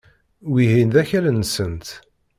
Wihin d akal-nsent.